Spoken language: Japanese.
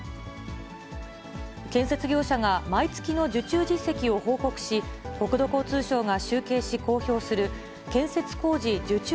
建設業者が毎月の受注実績を報告し、国土交通省が集計し公表する、建設工事受注